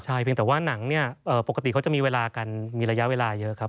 ใช่เพียงแต่ว่าหนังเนี่ยปกติเขาจะมีเวลากันมีระยะเวลาเยอะครับ